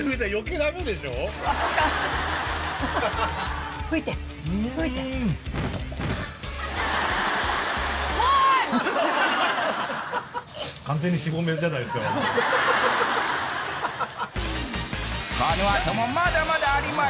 我々このあともまだまだあります！